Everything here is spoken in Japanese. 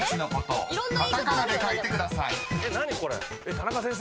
田中先生！